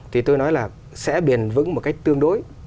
thì tôi nói là sẽ bền vững một cách tương đối